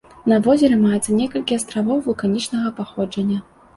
На возеры маецца некалькі астравоў вулканічнага паходжання.